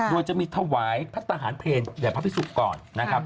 โดยจะมีถวายพัทธาหารเพลงเดี๋ยวพระพิสุพธิ์ก่อนนะครับ